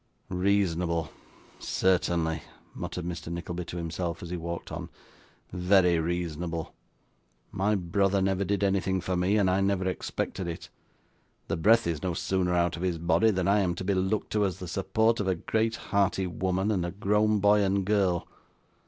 'Reasonable, certainly!' muttered Mr. Nickleby to himself, as he walked on, 'very reasonable! My brother never did anything for me, and I never expected it; the breath is no sooner out of his body than I am to be looked to, as the support of a great hearty woman, and a grown boy and girl.